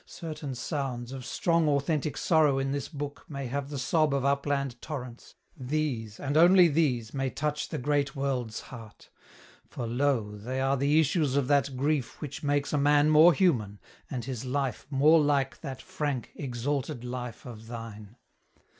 Certain sounds Of strong authentic sorrow in this book May have the sob of upland torrents these, And only these, may touch the great World's heart; For, lo! they are the issues of that grief Which makes a man more human, and his life More like that frank, exalted life of thine.